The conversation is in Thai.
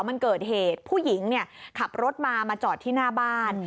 มันเกิดเหตุผู้หญิงขับรถมามาจอดที่หน้าบ้าน